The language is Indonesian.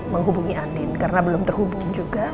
menghubungi andin karena belum terhubung juga